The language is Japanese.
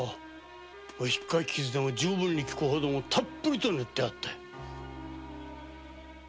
ひっかき傷でも十分に効く程たっぷりと塗ってあった。